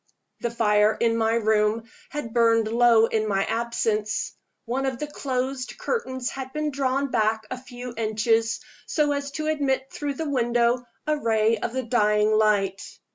The fire in my room had burned low in my absence. One of the closed curtains had been drawn back a few inches, so as to admit through the window a ray of the dying light.